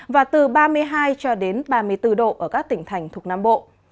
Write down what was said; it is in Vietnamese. và từ ba mươi hai cho đến ba mươi bốn độ ở các tỉnh thành thuộc nam bộ